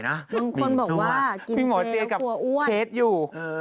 บางคนบอกว่ากินเถกับเคสอยู่